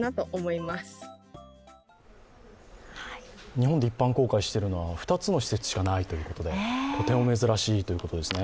日本で一般公開しているのは２つの施設しかないということでとても珍しいということですね。